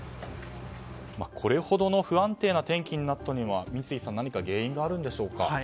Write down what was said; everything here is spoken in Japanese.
これほど不安定な天気になったのには三井さん何か原因があるのでしょうか？